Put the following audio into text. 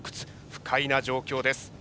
不快な状況です。